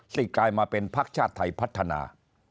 กลายมาเป็นพักชาติไทยพัฒนา